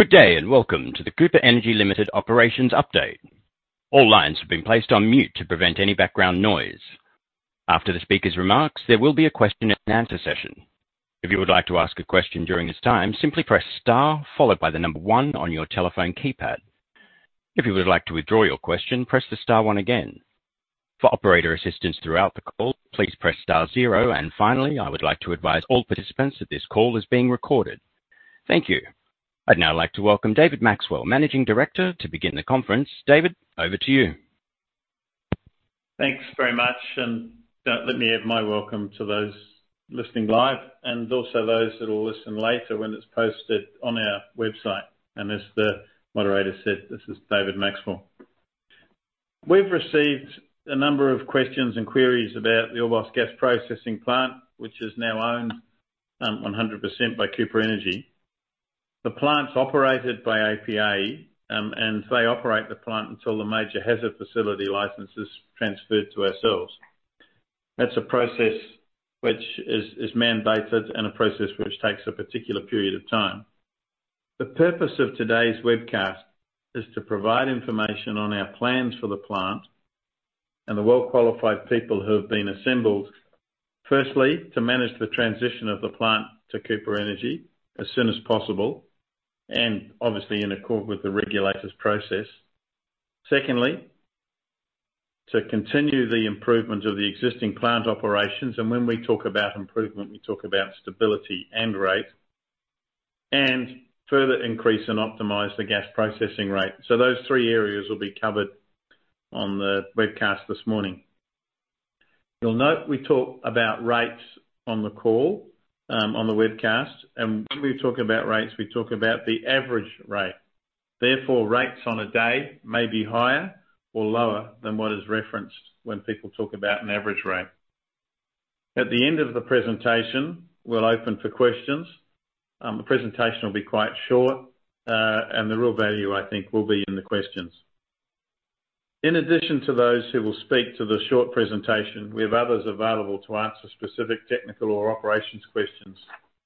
Good day, welcome to the Cooper Energy Limited operations update. All lines have been placed on mute to prevent any background noise. After the speaker's remarks, there will be a question and answer session. If you would like to ask a question during this time, simply press star followed by the number one on your telephone keypad. If you would like to withdraw your question, press the star one again. For operator assistance throughout the call, please press star zero. Finally, I would like to advise all participants that this call is being recorded. Thank you. I'd now like to welcome David Maxwell, Managing Director, to begin the conference. David, over to you. Thanks very much. Let me add my welcome to those listening live and also those that will listen later when it's posted on our website. As the moderator said, this is David Maxwell. We've received a number of questions and queries about the Orbost Gas Processing Plant, which is now owned 100% by Cooper Energy. The plant's operated by APA, and they operate the plant until the major hazard facility licence is transferred to ourselves. That's a process which is mandated and a process which takes a particular period of time. The purpose of today's webcast is to provide information on our plans for the plant and the well-qualified people who have been assembled. Firstly, to manage the transition of the plant to Cooper Energy as soon as possible, and obviously in accord with the regulators process. Secondly, to continue the improvement of the existing plant operations. When we talk about improvement, we talk about stability and rate, and further increase and optimize the gas processing rate. Those three areas will be covered on the webcast this morning. You'll note we talk about rates on the call, on the webcast. When we talk about rates, we talk about the average rate. Therefore, rates on a day may be higher or lower than what is referenced when people talk about an average rate. At the end of the presentation, we'll open for questions. The presentation will be quite short, and the real value, I think, will be in the questions. In addition to those who will speak to the short presentation, we have others available to answer specific technical or operations questions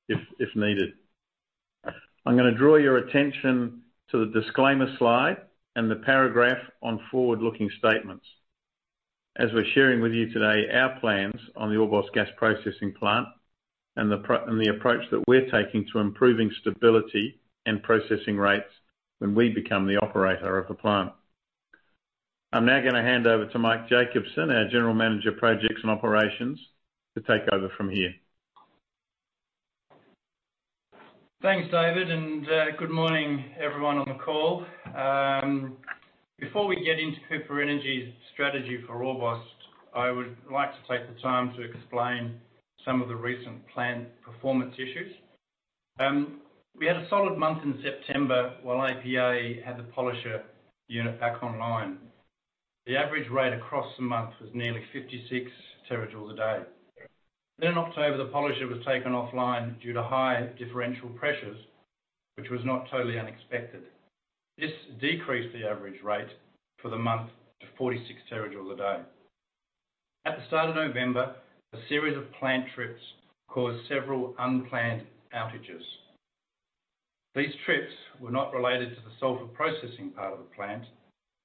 if needed. I'm gonna draw your attention to the disclaimer slide and the paragraph on forward-looking statements as we're sharing with you today our plans on the Orbost Gas Processing Plant and the approach that we're taking to improving stability and processing rates when we become the operator of the plant. I'm now gonna hand over to Mike Jacobsen, our General Manager, Projects and Operations, to take over from here. Thanks, David, and good morning everyone on the call. Before we get into Cooper Energy's strategy for Orbost, I would like to take the time to explain some of the recent plant performance issues. We had a solid month in September while APA had the polisher unit back online. The average rate across the month was nearly 56 terajoules a day. In October, the polisher was taken offline due to high differential pressures, which was not totally unexpected. This decreased the average rate for the month to 46 terajoules a day. At the start of November, a series of plant trips caused several unplanned outages. These trips were not related to the sulfur processing part of the plant,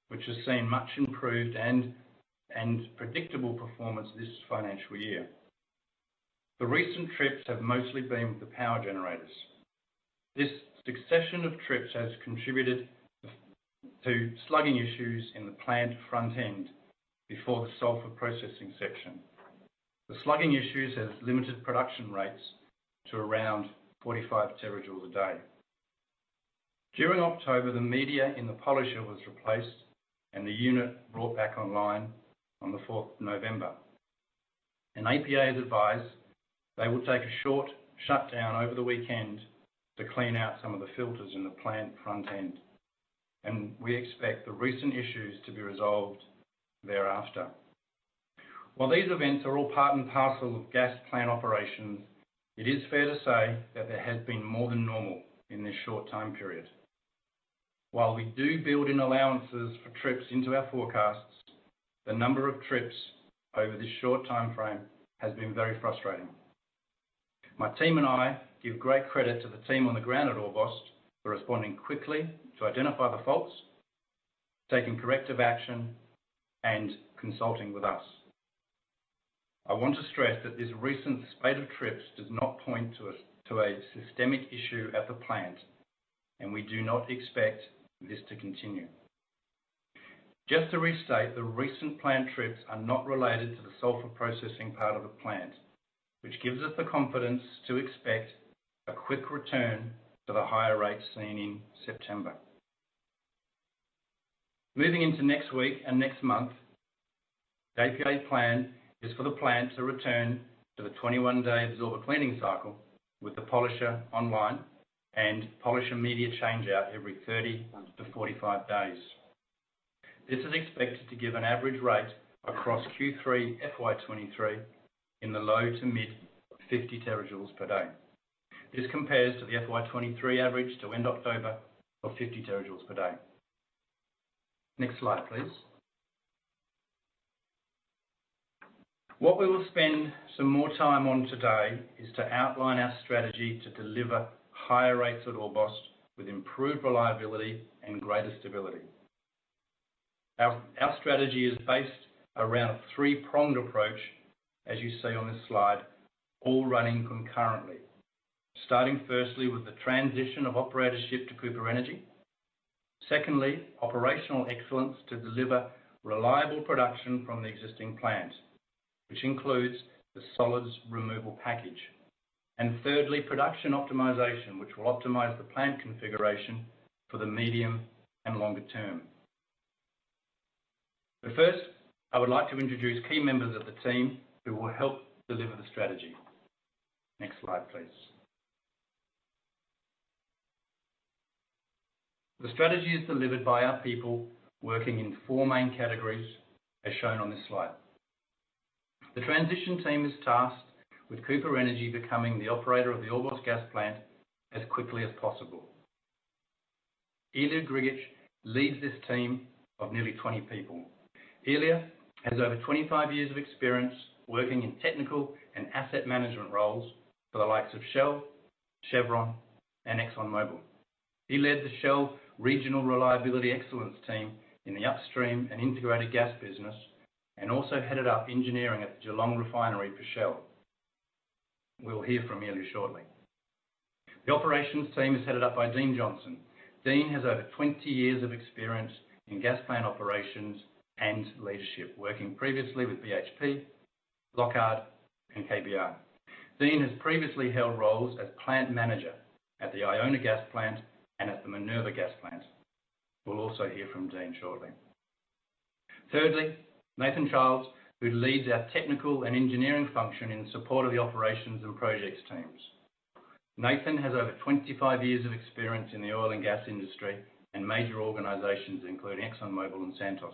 which has seen much improved and predictable performance this financial year. The recent trips have mostly been with the power generators. This succession of trips has contributed to slugging issues in the plant front end before the sulfur processing section. The slugging issues has limited production rates to around 45 terajoules a day. During October, the media in the polisher was replaced and the unit brought back online on the fourth of November. APA has advised they will take a short shutdown over the weekend to clean out some of the filters in the plant front end, and we expect the recent issues to be resolved thereafter. While these events are all part and parcel of gas plant operations, it is fair to say that there has been more than normal in this short time period. While we do build in allowances for trips into our forecasts, the number of trips over this short time frame has been very frustrating. My team and I give great credit to the team on the ground at Orbost for responding quickly to identify the faults, taking corrective action, and consulting with us. I want to stress that this recent spate of trips does not point to a systemic issue at the plant, and we do not expect this to continue. Just to restate, the recent plant trips are not related to the sulfur processing part of the plant, which gives us the confidence to expect a quick return to the higher rates seen in September. Moving into next week and next month, the APA plan is for the plant to return to the 21-day absorber cleaning cycle with the polisher online and polisher media changeout every 30-45 days. This is expected to give an average rate across Q3 FY 2023 in the low to mid-50 terajoules per day. This compares to the FY 2023 average to end October of 50 terajoules per day. Next slide, please. What we will spend some more time on today is to outline our strategy to deliver higher rates at Orbost with improved reliability and greater stability. Our strategy is based around a three-pronged approach, as you see on this slide, all running concurrently. Starting firstly with the transition of operatorship to Cooper Energy. Secondly, operational excellence to deliver reliable production from the existing plants, which includes the solids removal package. Thirdly, production optimization, which will optimize the plant configuration for the medium and longer term. First, I would like to introduce key members of the team who will help deliver the strategy. Next slide, please. The strategy is delivered by our people working in four main categories, as shown on this slide. The transition team is tasked with Cooper Energy becoming the operator of the Orbost gas plant as quickly as possible. Ilija Grgic leads this team of nearly 20 people. Ilija has over 25 years of experience working in technical and asset management roles for the likes of Shell, Chevron, and ExxonMobil. He led the Shell Regional Reliability Excellence team in the upstream and integrated gas business. Also headed up engineering at the Geelong Refinery for Shell. We'll hear from Ilija shortly. The operations team is headed up by Dean Johnson. Dean has over 20 years of experience in gas plant operations and leadership, working previously with BHP, Lockhart, and KBR. Dean has previously held roles as plant manager at the Iona Gas Plant and at the Minerva Gas Plant. We'll also hear from Dean shortly. Thirdly, Nathan Childs, who leads our technical and engineering function in support of the operations and projects teams. Nathan has over 25 years of experience in the oil and gas industry and major organizations, including ExxonMobil and Santos.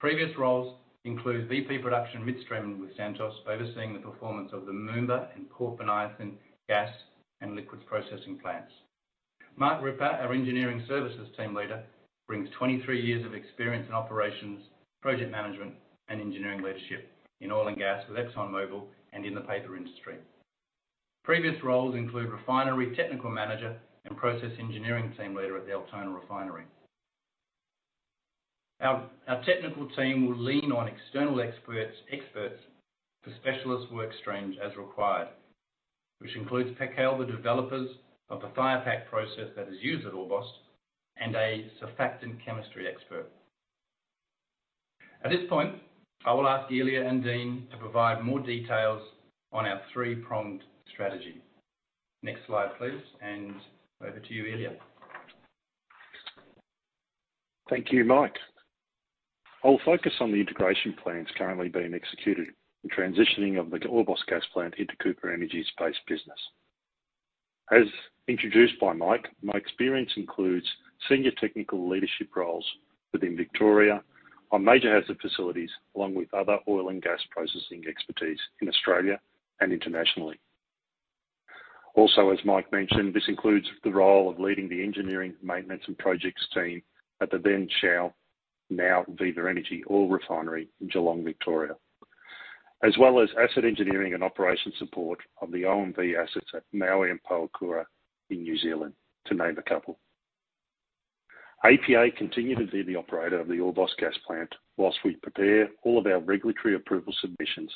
Previous roles include VP Production Midstream with Santos, overseeing the performance of the Moomba and Corbenichen gas and liquids processing plants. Mark Ripper, our Engineering Services Team Leader, brings 23 years of experience in operations, project management, and engineering leadership in oil and gas with ExxonMobil and in the paper industry. Previous roles include refinery technical manager and process engineering team leader at the Altona Refinery. Our technical team will lean on external experts for specialist work streams as required, which includes Pascale, the developers of the fire pack process that is used at Orbost, and a surfactant chemistry expert. At this point, I will ask Ilija and Dean to provide more details on our three-pronged strategy. Next slide, please. Over to you, Ilija. Thank you, Mike. I'll focus on the integration plans currently being executed in transitioning of the Orbost gas plant into Cooper Energy's base business. As introduced by Mike, my experience includes senior technical leadership roles within Victoria on major hazard facilities, along with other oil and gas processing expertise in Australia and internationally. As Mike mentioned, this includes the role of leading the engineering, maintenance, and projects team at the then Shell, now Viva Energy oil refinery in Geelong, Victoria, as well as asset engineering and operation support of the OMV assets at Maui and Pohokura in New Zealand, to name a couple. APA continue to be the operator of the Orbost gas plant whilst we prepare all of our regulatory approval submissions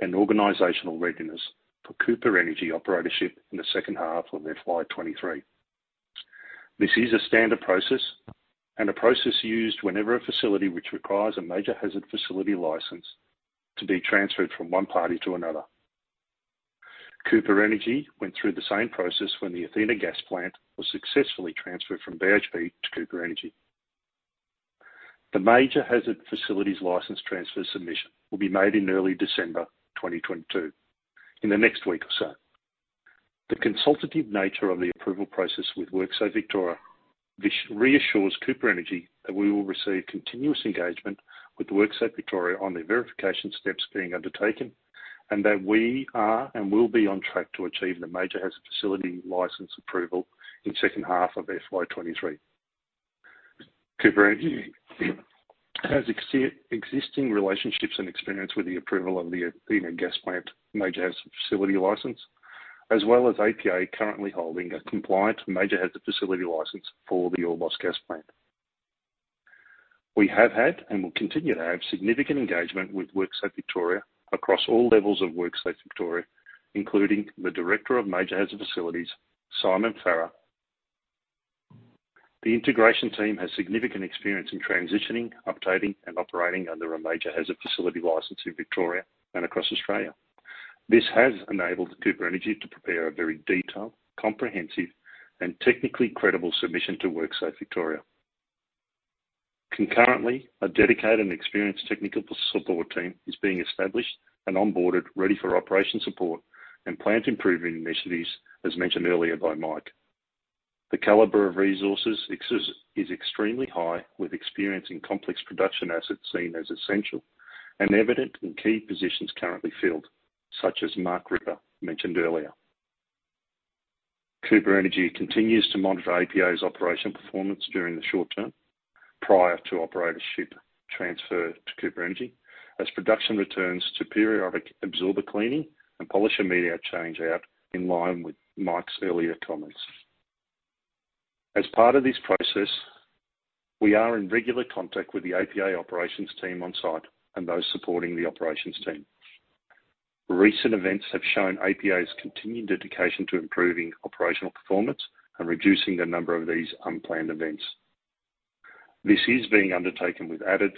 and organizational readiness for Cooper Energy operatorship in the second half of FY 2023. This is a standard process and a process used whenever a facility which requires a major hazard facility licence to be transferred from one party to another. Cooper Energy went through the same process when the Athena gas plant was successfully transferred from BHP to Cooper Energy. The major hazard facilities licence transfer submission will be made in early December 2022, in the next week or so. The consultative nature of the approval process with WorkSafe Victoria, which reassures Cooper Energy that we will receive continuous engagement with WorkSafe Victoria on the verification steps being undertaken, and that we are and will be on track to achieve the major hazard facility licence approval in second half of FY 2023. Cooper Energy has existing relationships and experience with the approval of the Athena gas plant major hazard facility license, as well as APA currently holding a compliant major hazard facility license for the Orbost gas plant. We have had and will continue to have significant engagement with WorkSafe Victoria across all levels of WorkSafe Victoria, including the Director of Major Hazard Facilities, Simon Farrar. The integration team has significant experience in transitioning, updating, and operating under a major hazard facility license in Victoria and across Australia. This has enabled Cooper Energy to prepare a very detailed, comprehensive, and technically credible submission to WorkSafe Victoria. Concurrently, a dedicated and experienced technical support team is being established and onboarded, ready for operation support and plant improvement initiatives, as mentioned earlier by Mike. The caliber of resources is extremely high, with experience in complex production assets seen as essential and evident in key positions currently filled, such as Mark Ripper mentioned earlier. Cooper Energy continues to monitor APA's operation performance during the short term prior to operatorship transfer to Cooper Energy as production returns to periodic absorber cleaning and polisher media change-out in line with Mike's earlier comments. As part of this process, we are in regular contact with the APA operations team on-site and those supporting the operations team. Recent events have shown APA's continued dedication to improving operational performance and reducing the number of these unplanned events. This is being undertaken with added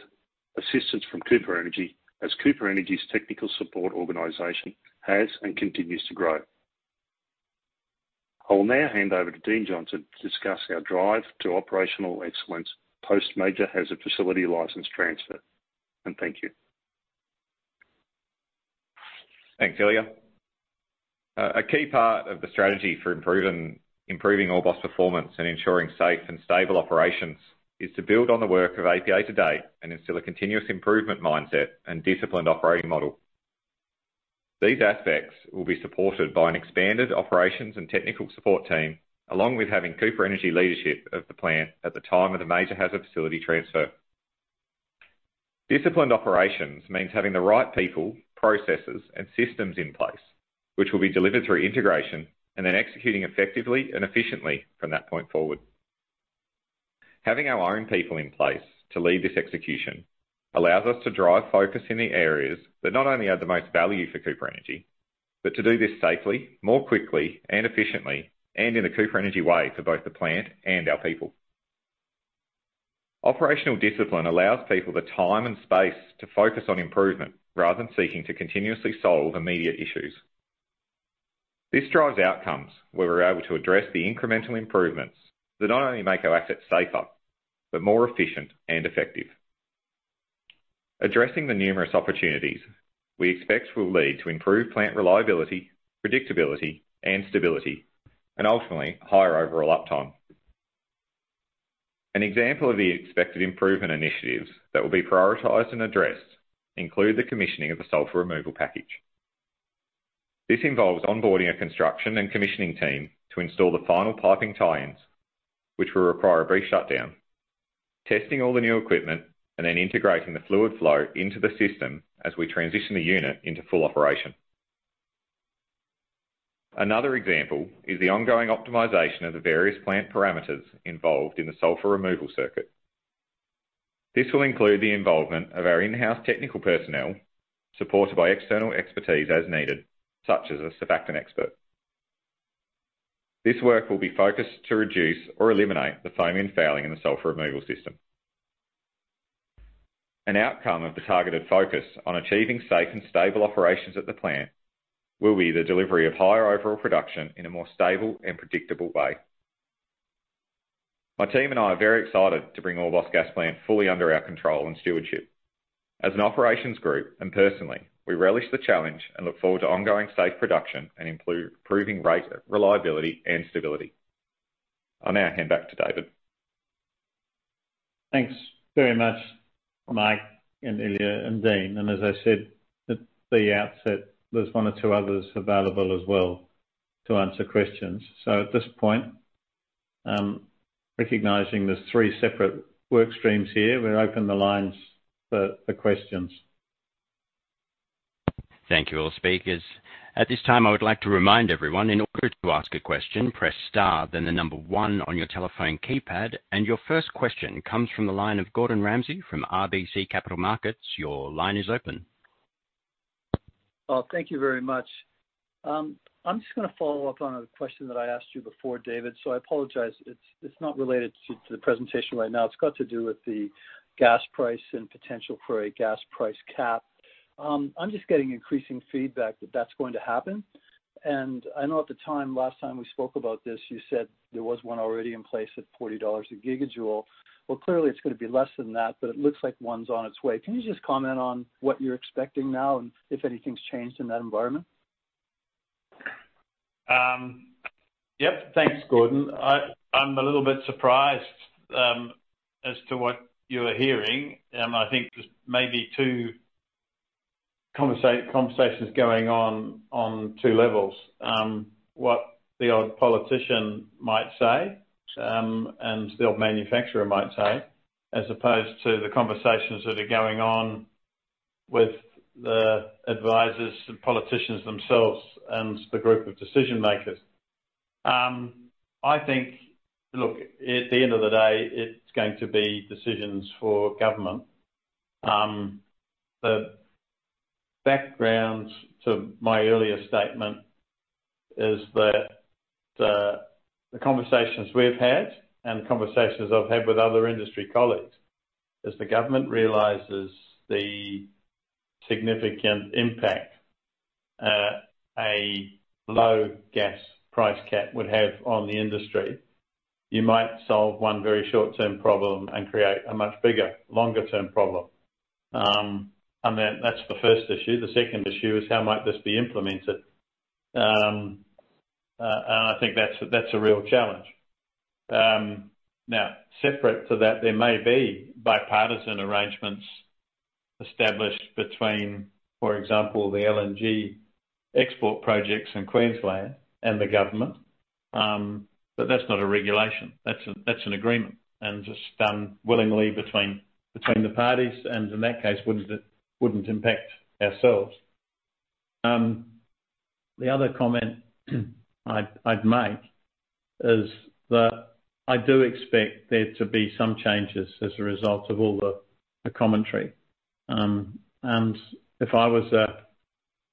assistance from Cooper Energy as Cooper Energy's technical support organization has and continues to grow. I will now hand over to Dean Johnson to discuss our drive to operational excellence post major hazard facility licence transfer, and thank you. Thanks, Ilija. A key part of the strategy for improving Orbost performance and ensuring safe and stable operations is to build on the work of APA to date and instill a continuous improvement mindset and disciplined operating model. These aspects will be supported by an expanded operations and technical support team, along with having CooperEnergy leadership of the plant at the time of the major hazard facility transfer. Disciplined operations means having the right people, processes, and systems in place, which will be delivered through integration and then executing effectively and efficiently from that point forward. Having our own people in place to lead this execution allows us to drive focus in the areas that not only add the most value for Cooper Energy, but to do this safely, more quickly and efficiently, and in an CooperEnergy way for both the plant and our people. Operational discipline allows people the time and space to focus on improvement rather than seeking to continuously solve immediate issues. This drives outcomes where we're able to address the incremental improvements that not only make our assets safer, but more efficient and effective. Addressing the numerous opportunities we expect will lead to improved plant reliability, predictability, and stability, and ultimately, higher overall uptime. An example of the expected improvement initiatives that will be prioritized and addressed include the commissioning of the sulfur removal package. This involves onboarding a construction and commissioning team to install the final piping tie-ins, which will require a brief shutdown. Testing all the new equipment and then integrating the fluid flow into the system as we transition the unit into full operation. Another example is the ongoing optimization of the various plant parameters involved in the sulfur removal circuit. This will include the involvement of our in-house technical personnel, supported by external expertise as needed, such as a surfactant expert. This work will be focused to reduce or eliminate the foaming and fouling in the sulfur removal system. An outcome of the targeted focus on achieving safe and stable operations at the plant will be the delivery of higher overall production in a more stable and predictable way. My team and I are very excited to bring Orbost Gas Plant fully under our control and stewardship. As an operations group and personally, we relish the challenge and look forward to ongoing safe production and improving rate, reliability, and stability. I'll now hand back to David. Thanks very much, Mike and Ilija and Dean. As I said at the outset, there's one or two others available as well to answer questions. At this point, recognizing there's three separate work streams here, we'll open the lines for questions. Thank you, all speakers. At this time, I would like to remind everyone, in order to ask a question, press star then the number one on your telephone keypad. Your first question comes from the line of Gordon Ramsay from RBC Capital Markets. Your line is open. Thank you very much. I'm just gonna follow up on a question that I asked you before, David. I apologize. It's not related to the presentation right now. It's got to do with the gas price and potential for a gas price cap. I'm just getting increasing feedback that that's going to happen. I know at the time, last time we spoke about this, you said there was one already in place at 40 dollars a gigajoule. Clearly it's gonna be less than that, but it looks like one's on its way. Can you just comment on what you're expecting now and if anything's changed in that environment? Yep. Thanks, Gordon. I'm a little bit surprised as to what you are hearing. I think there's maybe two conversations going on on two levels. What the odd politician might say and the odd manufacturer might say, as opposed to the conversations that are going on with the advisors and politicians themselves and the group of decision makers. I think. Look, at the end of the day, it's going to be decisions for government. The background to my earlier statement is that the conversations we've had and conversations I've had with other industry colleagues, as the government realizes the significant impact a low gas price cap would have on the industry, you might solve one very short-term problem and create a much bigger, longer-term problem. That's the first issue. The second issue is how might this be implemented. I think that's a real challenge. Separate to that, there may be bipartisan arrangements established between, for example, the LNG export projects in Queensland and the government. That's not a regulation, that's an agreement and just willingly between the parties and in that case it wouldn't impact ourselves. The other comment I'd make is that I do expect there to be some changes as a result of all the commentary. If I was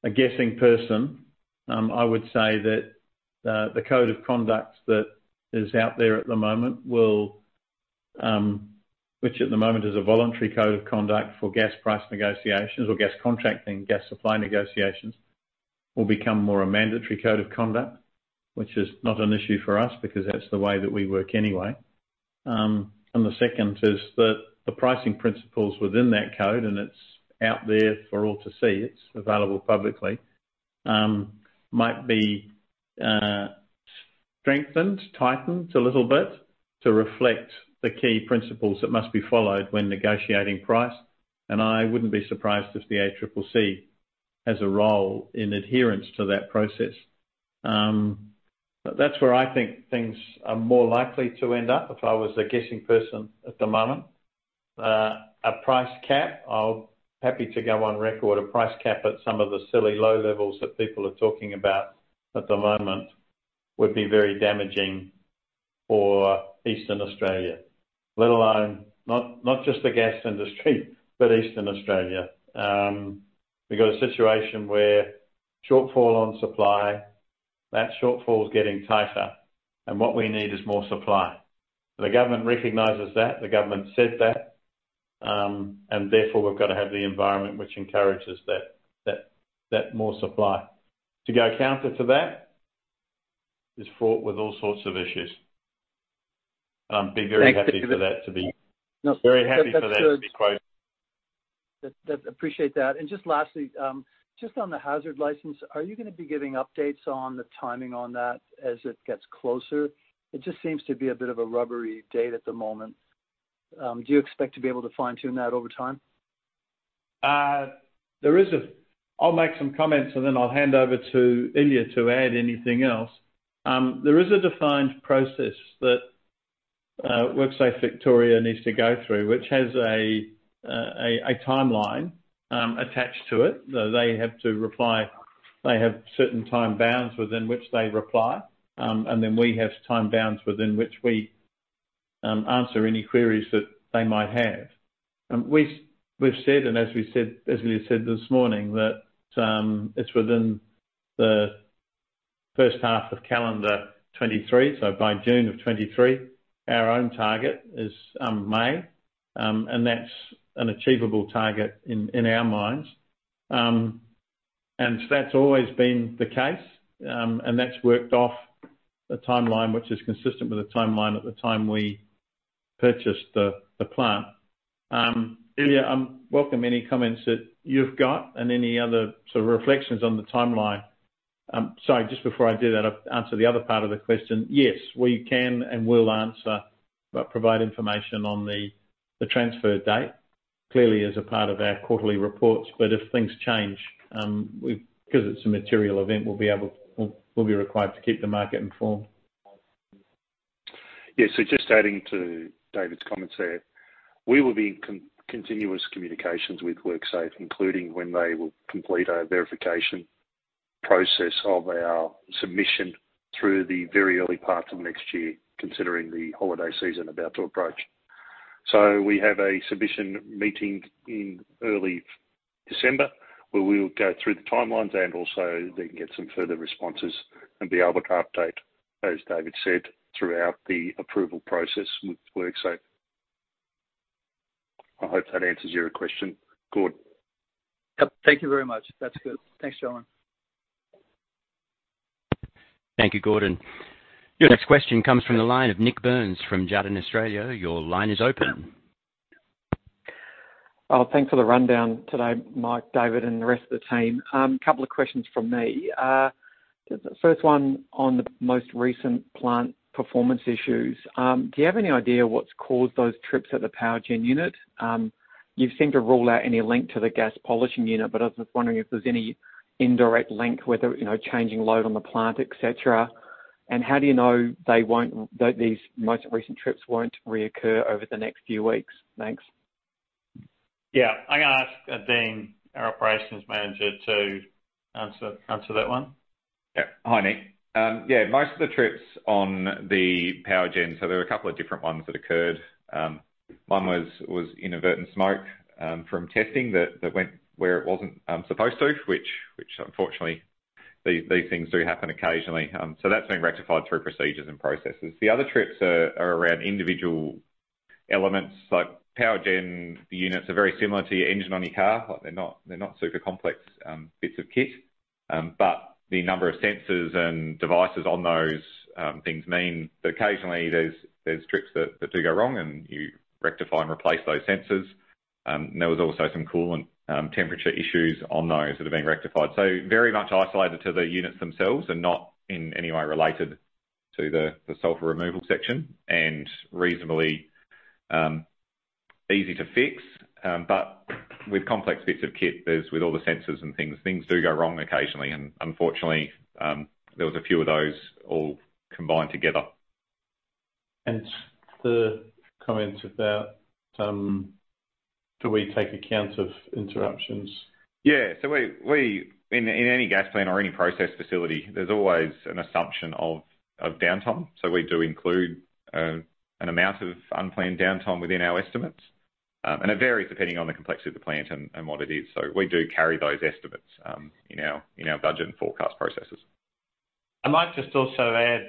a guessing person, I would say that the code of conduct that is out there at the moment will, which at the moment is a voluntary code of conduct for gas price negotiations or gas contracting, gas supply negotiations will become more a mandatory code of conduct. Which is not an issue for us because that's the way that we work anyway. The second is that the pricing principles within that code, and it's out there for all to see, it's available publicly, might be strengthened, tightened a little bit to reflect the key principles that must be followed when negotiating price. I wouldn't be surprised if the ACCC has a role in adherence to that process. That's where I think things are more likely to end up if I was a guessing person at the moment. A price cap, happy to go on record. A price cap at some of the silly low levels that people are talking about at the moment would be very damaging for Eastern Australia. Let alone, not just the gas industry, but Eastern Australia. We've got a situation where shortfall on supply, that shortfall is getting tighter and what we need is more supply. The government recognizes that. The government said that. Therefore, we've got to have the environment which encourages that more supply. To go counter to that is fraught with all sorts of issues. be very happy- Thanks, David.... for that to No, that's good. Very happy for that to be quoted. That... Appreciate that. Just lastly, just on the hazard license, are you gonna be giving updates on the timing on that as it gets closer? It just seems to be a bit of a rubbery date at the moment. Do you expect to be able to fine-tune that over time? There is a... I'll make some comments and then I'll hand over to Ilija to add anything else. There is a defined process that WorkSafe Victoria needs to go through, which has a timeline attached to it. Though they have to reply, they have certain time bounds within which they reply. We have time bounds within which we answer any queries that they might have. We've said, as we said this morning, that it's within the first half of calendar 2023, so by June of 2023. Our own target is May. That's an achievable target in our minds. That's always been the case. That's worked off a timeline which is consistent with the timeline at the time we purchased the plant. Ilija, welcome any comments that you've got and any other sort of reflections on the timeline. Sorry, just before I do that, I'll answer the other part of the question. Yes, we can and will answer, provide information on the transfer date, clearly as a part of our quarterly reports. If things change, 'cause it's a material event, we'll be required to keep the market informed. Just adding to David's comments there. We will be continuous communications with WorkSafe, including when they will complete a verification process of our submission through the very early part of next year, considering the holiday season about to approach. We have a submission meeting in early December, where we will go through the timelines and also they can get some further responses and be able to update, as David said, throughout the approval process with WorkSafe. I hope that answers your question, Gordon. Yep. Thank you very much. That's good. Thanks, gentlemen. Thank you, Gordon. Good. The next question comes from the line of Nik Burns from Jarden Australia. Your line is open. Thanks for the rundown today, Mike, David, and the rest of the team. Couple of questions from me. First one on the most recent plant performance issues. Do you have any idea what's caused those trips at the power gen unit? You seem to rule out any link to the gas polishing unit, but I was just wondering if there's any indirect link, whether, you know, changing load on the plant, et cetera. How do you know they won't these most recent trips won't reoccur over the next few weeks? Thanks. I'm gonna ask, Dean, our Operations Manager, to answer that one. Yeah. Hi, Nik. Yeah, most of the trips on the power gen. There were a couple of different ones that occurred. One was inadvertent smoke from testing that went where it wasn't supposed to, which unfortunately, these things do happen occasionally. That's being rectified through procedures and processes. The other trips are around individual elements like power gen units are very similar to your engine on your car. They're not super complex bits of kit. The number of sensors and devices on those things mean that occasionally there's trips that do go wrong, and you rectify and replace those sensors. There was also some coolant, temperature issues on those that have been rectified. Very much isolated to the units themselves and not in any way related to the sulfur removal section and reasonably easy to fix. With complex bits of kit, there's with all the sensors and things do go wrong occasionally, and unfortunately, there was a few of those all combined together. And the comments about, do we take account of interruptions? In any gas plant or any process facility, there's always an assumption of downtime. We do include an amount of unplanned downtime within our estimates. It varies depending on the complexity of the plant and what it is. We do carry those estimates in our budget and forecast processes. I might just also add,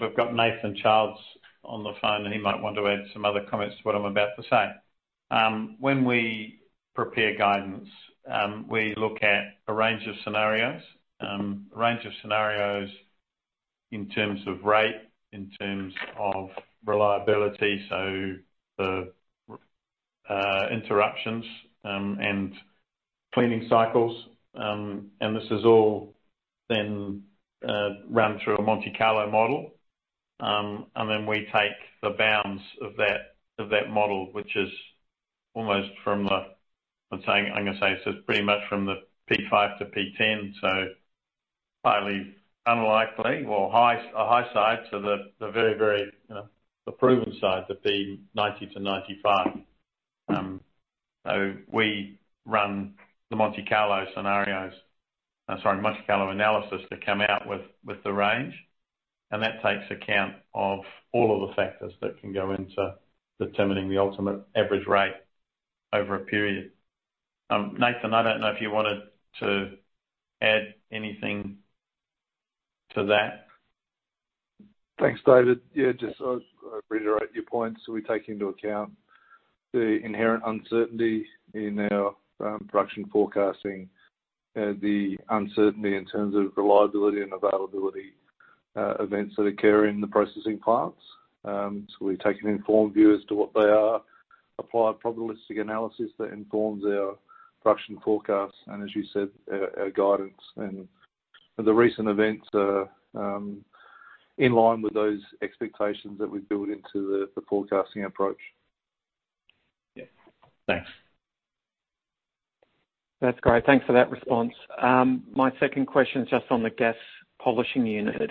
we've got Nathan Childs on the phone, and he might want to add some other comments to what I'm about to say. When we prepare guidance, we look at a range of scenarios, a range of scenarios in terms of rate, in terms of reliability, so the interruptions, and cleaning cycles. This is all then run through a Monte Carlo model. We take the bounds of that, of that model, which is almost I'm saying, I'm gonna say it's just pretty much from the P5-P10, so highly unlikely or a high side to the very, the proven side, the P90-P95. We run the Monte Carlo scenarios, sorry, Monte Carlo analysis to come out with the range, and that takes account of all of the factors that can go into determining the ultimate average rate over a period. Nathan, I don't know if you wanted to add anything to that. Thanks, David. Yeah, just reiterate your point. We take into account the inherent uncertainty in our production forecasting, the uncertainty in terms of reliability and availability, events that occur in the processing plants. We take an informed view as to what they are, apply a probabilistic analysis that informs our production forecasts, and as you said, our guidance. The recent events are in line with those expectations that we've built into the forecasting approach. Yeah. Thanks. That's great. Thanks for that response. My second question is just on the gas polishing unit.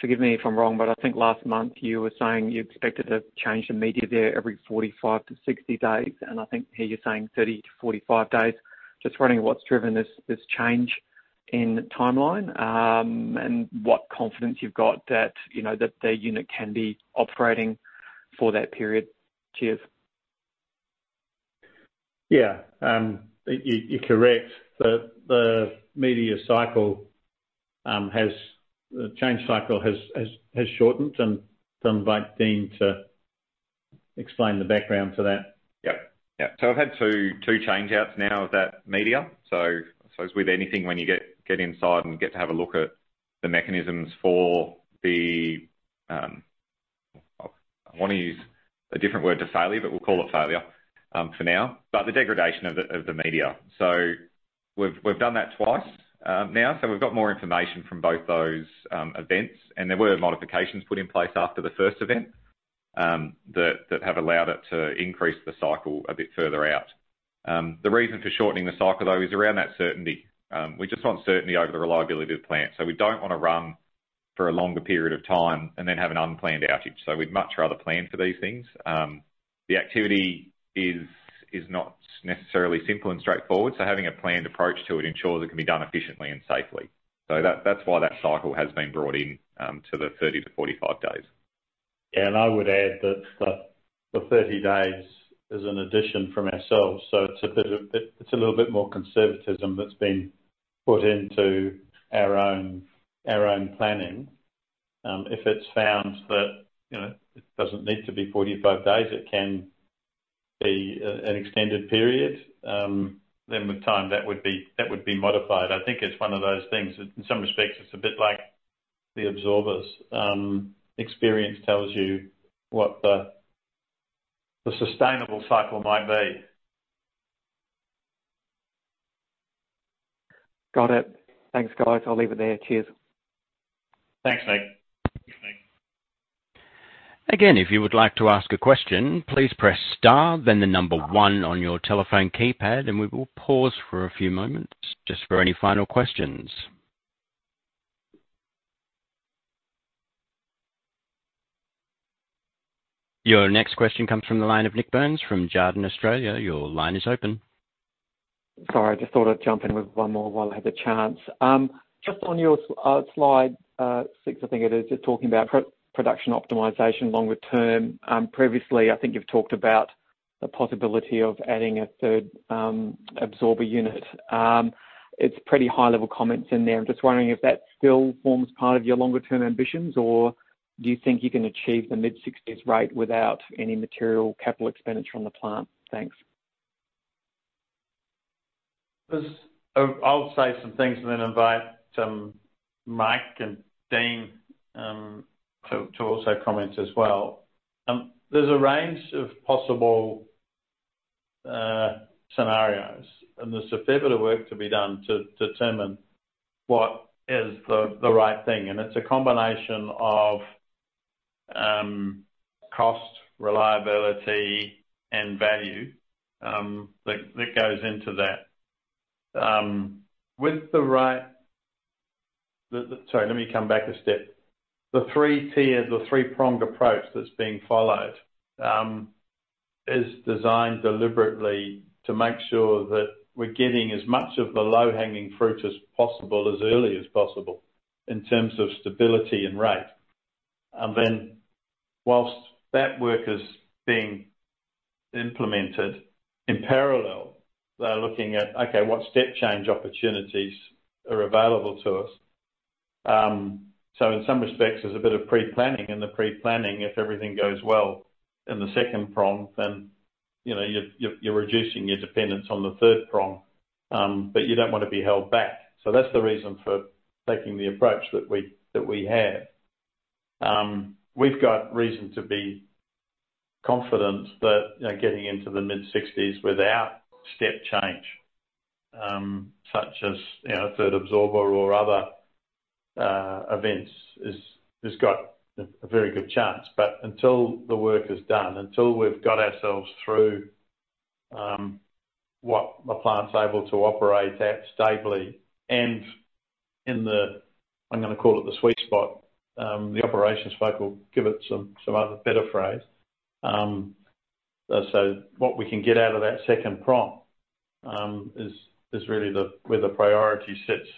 Forgive me if I'm wrong, but I think last month you were saying you expected to change the media there every 45-60 days, and I think here you're saying 30-45 days. Just wondering what's driven this change in timeline, and what confidence you've got that, you know, that the unit can be operating for that period. Cheers. Yeah. You're correct that the change cycle has shortened. I invite Dean to explain the background to that. Yep. Yeah. I've had two changeouts now of that media. I suppose with anything, when you get inside and get to have a look at the mechanisms for the... I wanna use a different word to failure, but we'll call it failure for now, but the degradation of the media. We've done that twice now. We've got more information from both those events. There were modifications put in place after the first event that have allowed it to increase the cycle a bit further out. The reason for shortening the cycle, though, is around that certainty. We just want certainty over the reliability of the plant. We don't wanna run for a longer period of time and then have an unplanned outage. We'd much rather plan for these things. The activity is not necessarily simple and straightforward, so having a planned approach to it ensures it can be done efficiently and safely. That's why that cycle has been brought in to the 30-45 days. I would add that the 30 days is an addition from ourselves, so it's a bit of... It's a little bit more conservatism that's been put into our own, our own planning. If it's found that, you know, it doesn't need to be 45 days, it can be an extended period, then with time that would be modified. I think it's one of those things that in some respects it's a bit like the absorbers. Experience tells you what the sustainable cycle might be. Got it. Thanks, guys. I'll leave it there. Cheers. Thanks, Nik. Thanks Nik. Again, if you would like to ask a question, please press star then one on your telephone keypad. We will pause for a few moments just for any final questions. Your next question comes from the line of Nik Burns from Jarden Australia. Your line is open. Sorry. I just thought I'd jump in with one more while I had the chance. Just on your slide six, I think it is, just talking about production optimization longer term. Previously, I think you've talked about the possibility of adding a third absorber unit. It's pretty high-level comments in there. I'm just wondering if that still forms part of your longer term ambitions, or do you think you can achieve the mid-60s rate without any material capital expenditure on the plant? Thanks. There's I'll say some things and then invite Mike and Dean to also comment as well. There's a range of possible scenarios, and there's a fair bit of work to be done to determine what is the right thing. It's a combination of cost, reliability and value that goes into that. With the right. Sorry, let me come back a step. The three-tier, three-pronged approach that's being followed is designed deliberately to make sure that we're getting as much of the low-hanging fruit as possible, as early as possible in terms of stability and rate. Whilst that work is being implemented in parallel, they are looking at, okay, what step change opportunities are available to us. In some respects there's a bit of pre-planning. In the pre-planning, if everything goes well in the second prong, then, you know, you're reducing your dependence on the third prong, but you don't wanna be held back. That's the reason for taking the approach that we have. We've got reason to be confident that, you know, getting into the mid-sixties without step change, such as, you know, a third absorber or other events has got a very good chance. But until the work is done, until we've got ourselves through what the plant's able to operate at stably and in the, I'm gonna call it the sweet spot, the operations folk will give it some other better phrase. What we can get out of that second prong is really where the priority sits.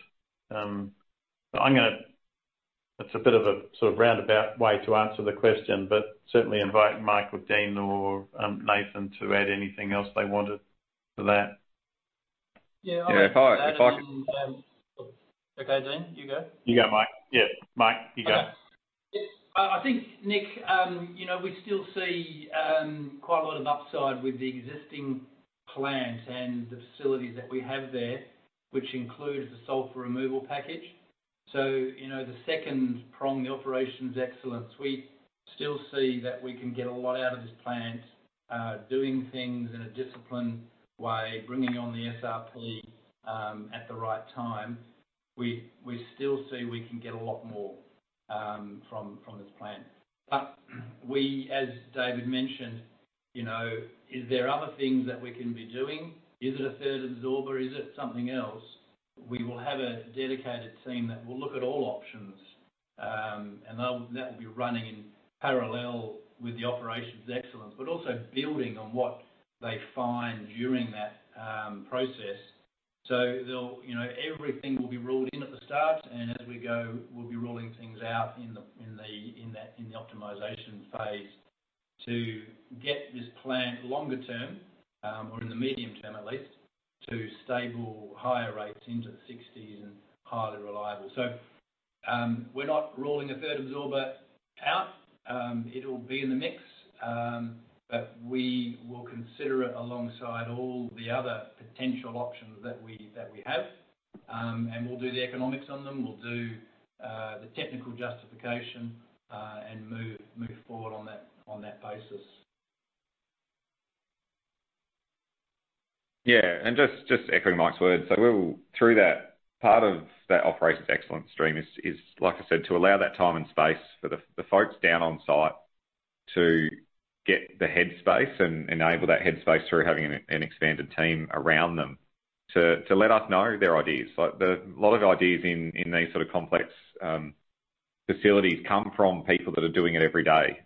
It's a bit of a sort of roundabout way to answer the question, but certainly invite Mike or Dean or, Nathan to add anything else they wanted to that. Yeah. Yeah, if I- Okay, Dean, you go. You go, Mike. Yeah. Mike, you go. Okay. I think, Nik, you know, we still see quite a lot of upside with the existing plant and the facilities that we have there, which includes the sulfur removal package. You know, the second prong, the operations excellence, we still see that we can get a lot out of this plant, doing things in a disciplined way, bringing on the SRP at the right time. We still see we can get a lot more from this plant. We, as David mentioned, you know, is there other things that we can be doing? Is it a third absorber? Is it something else? We will have a dedicated team that will look at all options, and that will be running in parallel with the operations excellence, but also building on what they find during that process. They'll, you know, everything will be ruled in at the start, and as we go, we'll be ruling things out in the optimization phase to get this plant longer term, or in the medium term at least, to stable higher rates into the 60s and highly reliable. We're not ruling a third absorber out. It'll be in the mix, but we will consider it alongside all the other potential options that we have. We'll do the economics on them, we'll do the technical justification, and move forward on that, on that basis. Yeah. Just echoing Mike's words. Through that, part of that operations excellence stream is, like I said, to allow that time and space for the folks down on site to get the head space and enable that head space through having an expanded team around them to let us know their ideas. Lot of ideas in these sort of complex facilities come from people that are doing it every day.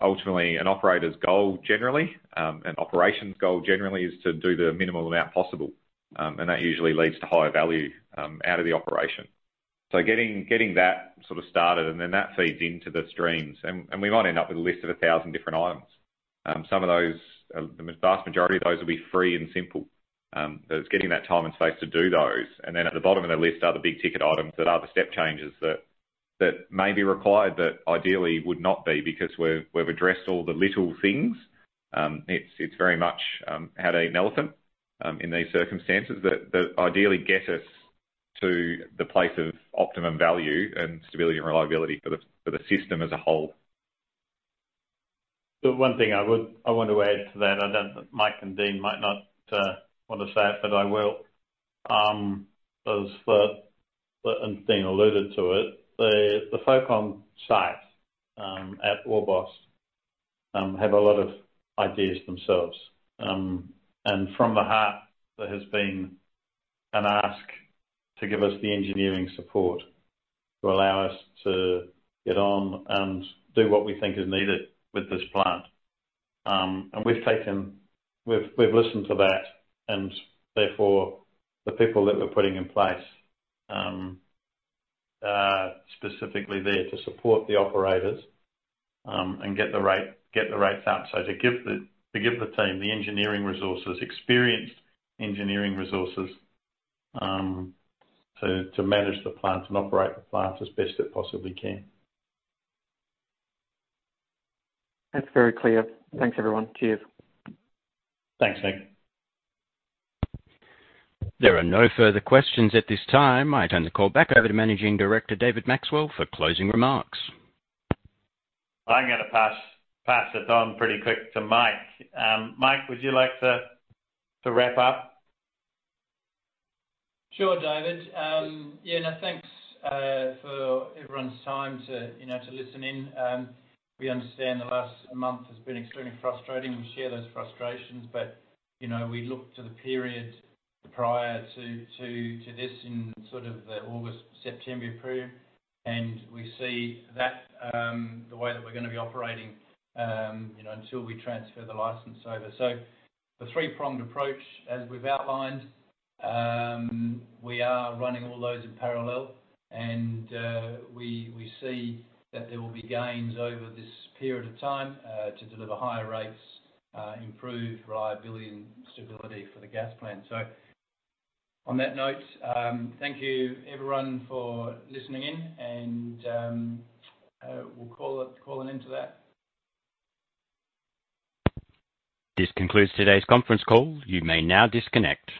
Ultimately, an operator's goal generally, an operations goal generally is to do the minimal amount possible. That usually leads to higher value out of the operation. Getting that sort of started, then that feeds into the streams and we might end up with a list of 1,000 different items. Some of those, the vast majority of those will be free and simple. It's getting that time and space to do those. Then at the bottom of the list are the big ticket items that are the step changes that may be required, but ideally would not be because we've addressed all the little things. It's very much how to eat an elephant in these circumstances that ideally get us to the place of optimum value and stability and reliability for the system as a whole. The one thing I would, I want to add to that, I don't Mike and Dean might not want to say it, but I will. As the and Dean alluded to it, the folk on site at Orbost have a lot of ideas themselves. From the heart, there has been an ask to give us the engineering support to allow us to get on and do what we think is needed with this plant. We've taken We've listened to that and therefore, the people that we're putting in place are specifically there to support the operators and get the rates up. To give the team the engineering resources, experienced engineering resources to manage the plant and operate the plant as best it possibly can. That's very clear. Thanks, everyone. Cheers. Thanks, Nik. There are no further questions at this time. I turn the call back over to Managing Director David Maxwell for closing remarks. I'm gonna pass the baton pretty quick to Mike. Mike, would you like to wrap up? Sure, David. Yeah, no, thanks for everyone's time to, you know, to listen in. We understand the last month has been extremely frustrating, and we share those frustrations. You know, we look to the period prior to this in sort of the August, September period, and we see that the way that we're gonna be operating, you know, until we transfer the license over. The three-pronged approach, as we've outlined, we are running all those in parallel and we see that there will be gains over this period of time to deliver higher rates, improved reliability and stability for the gas plant. On that note, thank you everyone for listening in, and we'll call an end to that. This concludes today's conference call. You may now disconnect.